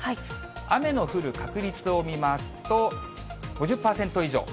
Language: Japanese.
雨の降る確率を見ますと、５０％以上。